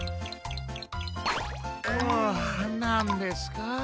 ふあなんですか？